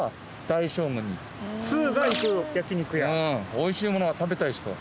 美味しいものが食べたい人は。